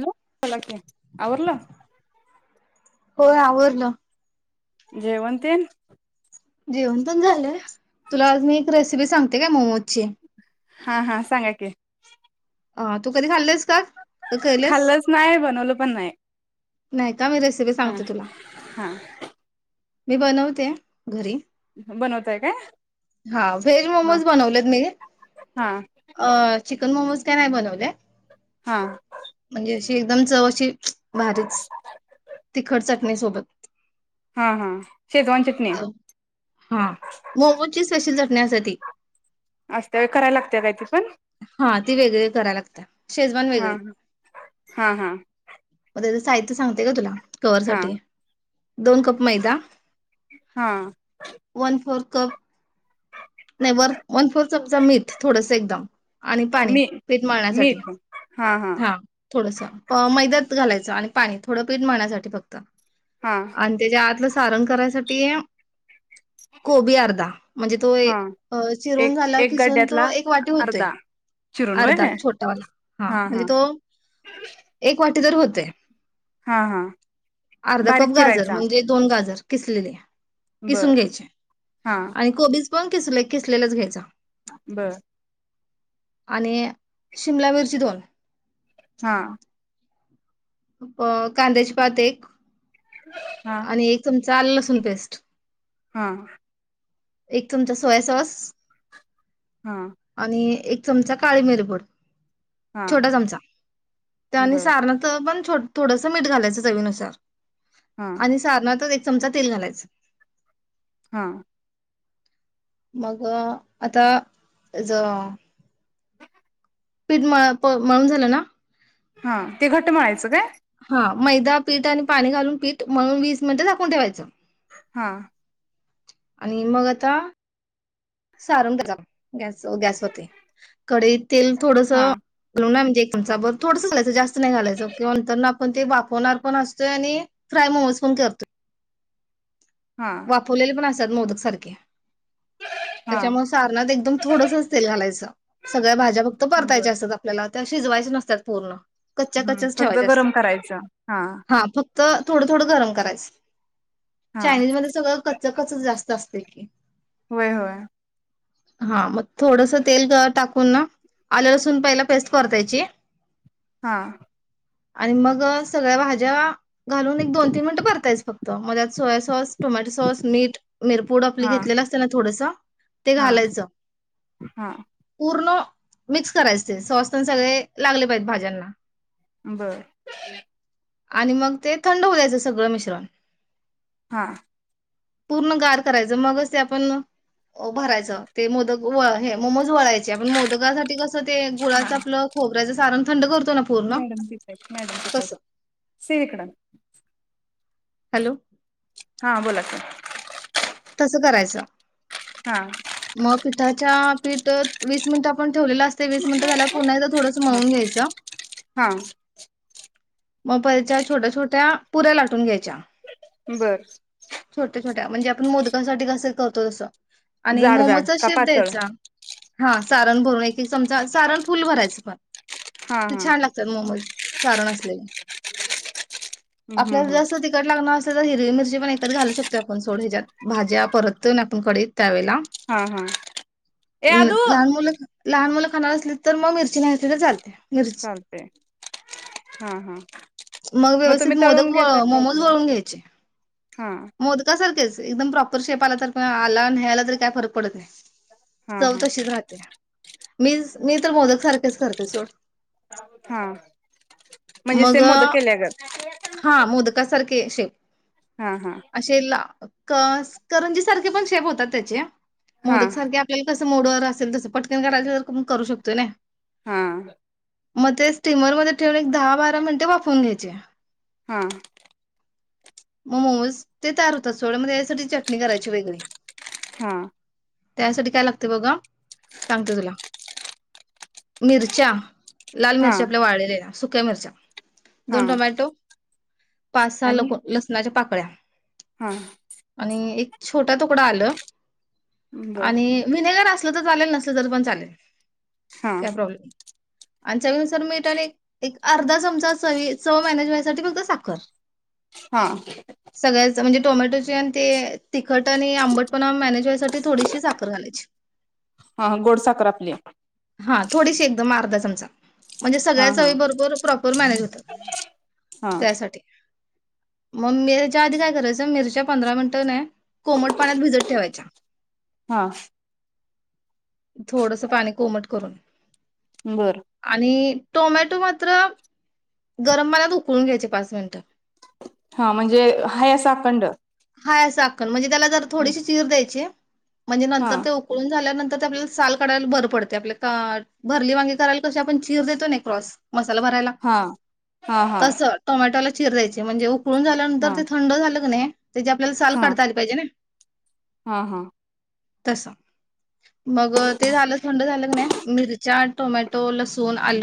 Hello बोला की, आवरल? होय आवरलं. जेवण तेन जेवण पण झालंय, तुला आज मी एक रेसिपी सांगते काय मोमोज ची हा हा सांगा की अ तू कधी खाल्लयस काय? खाल्लंच नाय, बनवलं पण नाई. नाइत [unintelligible] मी रेसिपी सांगते तुला हा मी बनवते. घरी बनवताय काय हा, हा व्हेजमोमोज बनवलेत मी, हा अ चिकन मोमोज काय नाय बनवले. हा. ती एकदम चव अशी भारीच तिखट सा [unintelligible] सोबत हा हा शेजवान चटणी अ हा मोमोजची स्पेशल [unintelligible] न्यासठी असत करायला लागतया काय ती पण. हा ती वेगळी कराय लागती या शेजवान हा वेगळी हा हा काय त सांगते ग तुला कवर हा साठी ये दोन कप मैदा हा वन फोर्थ कप नाही वर वन फोर चमचा मीठ थोडस एकदम आणि पाणी मी पीठ मळण्यासाठी मीठ हा थोडस मैद्यात घालायचं आणि पाणी थोडं पीठ मळण्यासाठी फक्त हा आणि त्याच्या आतलं सारण करायसाठी कोबी अर्धा म्हणजे तो हा अ एक चिरून झाला एक खिसून तो गड्ड्यातला एक वाटी होतोय अर्धा चिरून व्हय अर्धा छोटावाला हा म्हणजे तो एक पटदर होतंय. हा हा अर्धा कप बारीक गाजर चिरायचा म्हणजे दोन गाजर किसलेले. किसून बर घ्यायचे हा आणि कोबीज किसलय किसलेलेच घ्यायचं बर. आणि शिमला मिरची दोन हा. अ कांद्याची पात एक हा. चा अल्ल लसूण पेस्ट हा. एक चमचा सोया सॉस हा आणि एक चमचा काळी मिरीपूड हा छोटा चमचा आणि बर सारत पण थोडसं मीठ घालायचं चवीनुसार हा आणि सारना तरी चमचा तेल घालायच हा. मग आता ज पीठ म मळून झालं ना हा, ते घट मळायचं काय? हा मैदा पीठ आणि पाणी घालून पीठ मळून वीस मिनिटं झाकून ठेवायचं हा. आणि मग आता सारण त्याचा गॅस गॅस होते कढई तेल थोडस हा घलू ना म्हणजे चमचाभर थोडसं घालायचं जास्त नाही घालायचं आपण ते वाफवणार पण असतोय आणि फ्राय मोमोज पण करतो. हा वाफवलेले पण अस तात मोदक सारखे हा त्याच्यामुळ सारणात एकदम थोडसच तेल घालायचं, सगळ्या भाज्या फक्त बर परतायच्या असत्यात आपल्याला त्या शिजवायच नसत्यात पूर्ण कच्च्या हम्म, कच्च्याच फक्त गरम करायचं हा त थोडं थोडं गरम करायचं. हा चायनीज मधे सगळं क च कच जास्त असते की वय होय. हा मग थोडस तेल त टाकून ना, आलं लसून पयला पेस्ट परतायची. हा. आणि मग सगळ्या भाज्या घालून एक दोन तीन मिनटं परतायचं फक्त, मग त्यात सोया सॉस टोमॅटो सॉस, मीठ, मिरपूड आपली हा घेतलेल असत्या ना थोडस ते हा घालायचं, हा पूर न मिक्स करायच ते, सॉस तेन सगळे लागले पाहिजेत भाज्यांना बर [unintelligible] आणि मग ते थंड होऊ द्यायचं सगळं मिश्रण हा. पूर्ण गार करायच, मगच ते आपण अ भरायचं, ते मोदक व हे मोमोज वळाय चे आपण मोदकासाठी कस ते हा गुळाच आपल खोबऱ्याच सारण थंड करु मॅडम तीत आयत, मॅडम तीत आयत, सेव हिकड आण. हॅलो हा बोला की कसं करायचं? हा म पिताच्या पीटत वीस मिंट आपण ठेवलेल असतय, वीस मिनिट झाल्यावर पुन्हा एकदा थोडस हा मळून घ्यायच. हा मग परतच्या छोट्या छोट्या पुऱ्या लाटून घ्याय च्या बर छोटे छो ट्या म्हणजे आप पण मोदकासाठी कसं करतो तसं आणि जाड जाड मोमोचा का शेप पातळ द्यायचा, हा सारण भरून एक एक चमचा, सारण फुल भरायचं पण हा ते हा छान लागतात मोमोज सारन अस हो [inaudible] हम्म आपल्याला हम्म जास्त तिकट लागणार असल तर हिरवी मिर जे पण येतात घालू शकतो आपण सोडे हेज्यात. भाज्या परतोय न आपण कडइत. त्यावेळेला हा हा ए आदू लाहान मुल, लहान मुल. खाणार असली तर म मिरची, नाही घातली तर चालते. चालते हा हा मग तुम्ही व्यवस्थित मोदक, तळून घेता व का मोमोज, उकडून वळून घ्यायचे हा मोदका सारखेच. एकदम प्रॉपर शेप आला तर अ आला, नही आला, तरी काय फरक पडत नाही. हा चव हा तशीच राहते, मीच मी तर मोदक सारख. किस करते सोड. हा म्हणजे मग सेम मोदक केल्यागत हा मोदकासारखे असे, हा हा असे ला. कस करंजी, सारखे पण शेप होतात त्याचे अ! हा मोदक सारखे आपल्याला, कसं मोडवर असेल तसं पट. [unintelligible] करू शकतोय नाय. हा! मं ते स्टीमरमध्ये ठेवून एक दहा, बारा, मिनिटे वाफवून घ्यायचे. हा! मोमोज, ते तयार होतच. सोड मले यासाठीच. चटणी करायची वेगळी. हा त्यासाठी काय लागते, बघा सांगते तुला. मिरच्या, लाल हा मिरच्या, आपल्या वाळलेल्या. सुक्या मिरच्या हा दोन टोमॅटो, पाच सहा आणि लोक लसणाचे पा कळया. हा! आणि एक छोटा तुकडा आल. बर आणि विनेगर अस तुझ झालेल नसल तरी पण चालेल. हा काय प्रॉब्लेम? आणि चवीनुसार मीठ, आणि एक, एक अर्धा चमचा चवी चव, मॅनेज होण्यासाठी फक्त साखर. हा सगळ्याच म्हणजे? टोमॅटोची ते आण ते तिखट, आणि आंबटपणा, मॅनेज व्हायसाठी थोडीशी साखर घलायची. हा गोडसाखर आपली हा थोडीशी एकदम अर्धा चम चा [inaudible] म्हणजे हा सगळ्या हा चवीबरोबर, प्रॉपर मॅनेज होत हा त्यासाठी. म मिरच्या आधी काय करायच मिरच्या पंधरा मिनिटं नाय कोमट पाण्यात भिजत ठेवायच्या हा थोडस पाणी कोमट करून बर आणि इ टोमॅटो मात्र गरम पाण्यात उकळून घ्यायचे पाच मिनिटं हा म्हणजे हाय अस अखंड हाय अस मआख म्हणजे त्याला जर थोडीशी चिर द्यायची म्हणजे हा नंतर ते उकळून झाल्यानंतर आपल्याला साल काढायला बर पडते आपल्या भरली वांगी करायला कशी आपण चीर देतो ना क्रॉस मसाला भरायला हा हा हा हा तस टोमॅटोला चीर द्यायची म्हणजे उक पोळून झाल्यानंतर हा ते थंड झालं की नाही त्याची आपल्याला साल हा काढता आली पाहिजे ना? हा हा तस मग ते झालं थंड झालं क नाही मिरच्या, टोमॅटो, लसूण, आल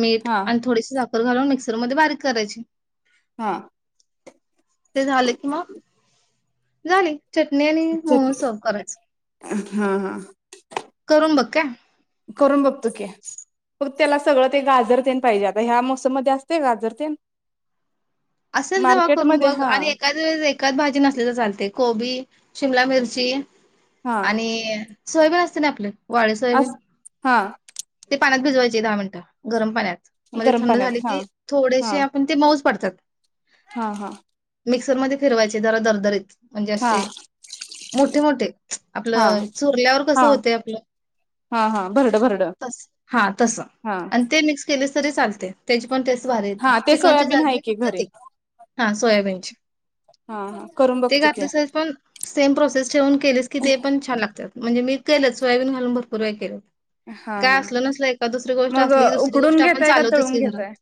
मीठ हा आणि थोडीशी साखर. घालून मिक्सर मध्ये बारीक करायची हा ते झाल झाले. चटणी आणि मोमोज सर्व करायच हा करून बघ का करून बग [inaudible] त्याला सगळं ते गाजरतेन पाहिजे आता ह्या मोसम मध्ये असतय गाजर तेन असेल तेव्हा करून मार्केटमध्ये बघ, हा आणि एकाद वेळे एखादी भाजी नसली तर चालते कोबी शिमला मिर्ची, हा आणि सोयबीण असते ना आपलं अस हा ते पाण्यात भिजवायची दहा मिनटं, गरम पाण्यात मध्ये गरम थंड झाली पाण्यात हा की थोडेसे हा आपण ते मऊज पडत्यात. हा हा मिक्सरमध्ये फिरवायचे जरा दरदरीत म्हणजे हा असे मोठे मोठे हा आपलं चुरल्यावर हा कसं होत आपलं. हा हा. भरड भरड हा तस हा आणि ते मिक्स केलेस तरी चालतय त्याची पण टेस्ट भारी येत हा ते चिकनच्या सोयाबीन आहे जागी [unintelligible] की ना घरी ते. हा सोयाबीनची हा हा करून ते बघतो की घातलीस तरी पण सेम प्रोसेस जेवन केलेस की ते पण छान लागतात म्हणजे मी केलं सोयाबीन घालून भरपूर वेळा केल. हा काय हा असलं नसलं एखाद दुसरी गोष्ट मग असली तर दुसरी उकडून गोष्ट घेताय का चालवतोच तळून की घरात घेताय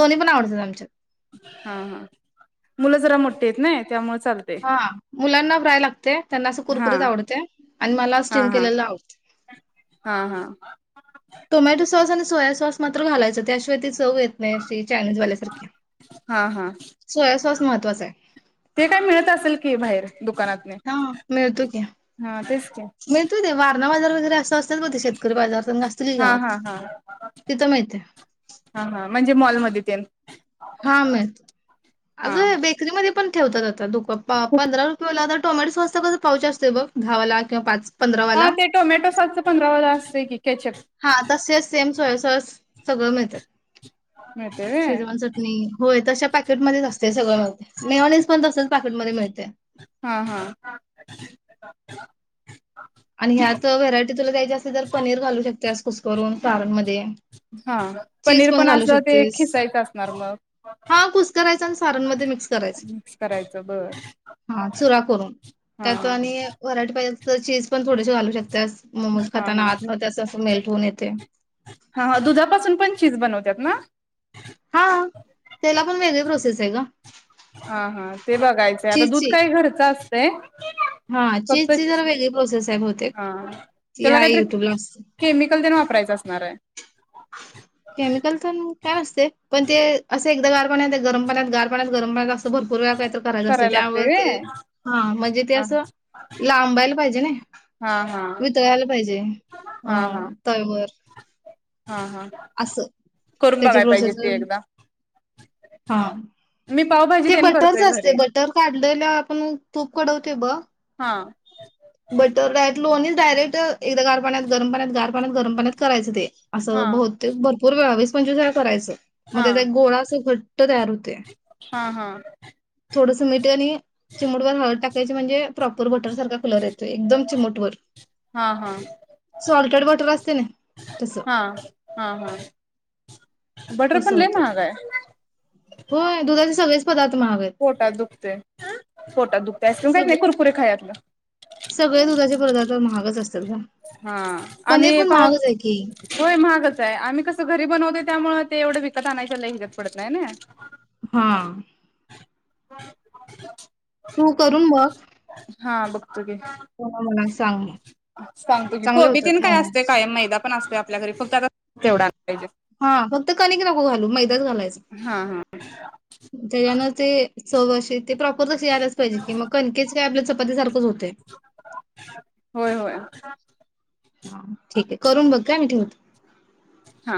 दोन्ही पण आवडतात आमच्यात. हा हा मुलं जरा मोठी आहेत ना त्यामुळ हा मुलांना फ्राय लागते त्यांना असं हा कुरकुरीत आवडते आणि मला हा स्टीम हा केलेलं आवडते. हा हा टोमॅटो सॉस आणि सोया सॉस मात्र घालायचं त्याशिवाय तिचं चव येत नाही अशी चायनीज वाल्यांसारखी हा हा सोया सॉस महत्त्वाचं आहे. ते काय मिळत असेल की बाहेर दुकानातने हा मिळतो की. हा तेच की मीळतो तेव्हा खाना बाजार वगैरे अस अस हा हा हा तिथं मिळते हा हा म्हणजे मॉलमध्ये ते हा मी हा अजून बेकरी मध्ये पण ठेवतात आत ता दुकपा पंधरा रुपये वाला आता टोमॅटो सॉस चा कसा पाऊच असतोय बघ दहा वाला किंवा पाच हा पंधरावाला ते टोमॅटो सॉस चा पंधरावा वाल असते की केचप हा तसेच सेम सोया सॉस सगळं मिळतं मिळते रे शेजवान चटणी होय तशा पॅकेटमध्येच असते सगळं मेयोनीज पण तसेच पॅकेटमध्ये मिळतंय. हा हा [unintelligible] आणि यात व्हरायटीज तुला द्यायची असेल तर पनीर घालू शकते कुस्करून सारण मध्ये हा पनीर पण अस ते खिसायचं असणार मग पण सारण मध्ये मिक्स करायच मिक्स करायचं बर हा चुरा करून हा त्यात आणि वरायटी पाहिज. त चीज पण थोडेसे घालू शकता. हा हा येते. हा दुधापासून पण चीज बनवतात ना. [inaudible] हा त्याला पण वेगळे प्रोसेस हाय ग. हा हा ते बघायचंय आता दूध चीजची. काय घरचं असत. ते हा फक्त चीजची जरा वेगळी प्रोसेस आहे बहुतेक हा ती त्याला आहे काहीतरी युट्यूबला असते. केमिकल देण वापरायचं असणार आहे. केमिकल पण काय नसते पण ते असे एकदा गार पाण गरम पा गार पा गर पा अस. भरपूर वेळा काहीत करायच असते करायला लागतंय त्यावर ते व्हय हा म्हणजे ते हा असं लांबायला पाहिजे ना. हा हा वितळायला पाहिजे अ हा हा तव्यावर हा हा असं करून त्याची बघाय पाहिजे प्रोसेस ते एकदा हा मी पावभाजी ते तेन बटरच करतोय असते घरी बटर काढलेल्या आपण तूप कडव. ओके हा बटर राय. लोणीच डायरेक्ट एकदा गार पाण्यात गरम पाण्याता गरम पाण्यात करायचं ते हा असं बहतेक भरपूर वे पणजुसार करायचं. मग हा त्याचा एक गोळा घट्ट तयार होत हा हा थोडस मिठ आणि चिमडवर हळद टाक. त्या म्हणजे प्र [inaudible] कलर येतोय येकदम चिमूटभर हा हा सॉकेट बटर असतं तसं. हा हा हा बटर पण लय महाग आहे [inaudible] पोटात दुखत पोटात दुखत अस प काही सग नाही कुरकुे खा. सगळे दुधाचे पदार्थ महागच असतात का पनीर आम्ही पण पाव महागच आहे की होय महागच हाय आम्ही कस? री बनवते त्यामुळे ते एवढं विकत आणायच्या ल हिजत पडत नाही. हा [inaudible] तू करून बघ. [inaudible] ते मग मला सांग मग सांगतो की चांगले कोबी होतात तिनं काय असतय मोमोज कायम मैदा पण असंतय आपल्या घरी फक्त आता तेवढा आण हा फक्त कणिक नको घालू मैदाच घालायचा हा हा. तेन ते चव अशी ते प्रॉपर तसे यायलाच पाहिजे ते मग कणीकेच काय आपल्या [inaudible] होय होय. हा ठीक आहे करून बघ काय मी ठेवत. हा